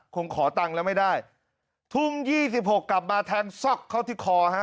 ขอตังค์แล้วไม่ได้ทุ่มยี่สิบหกกลับมาแทงซอกเข้าที่คอฮะ